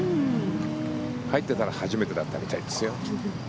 入ってたら初めてだったみたいですよ。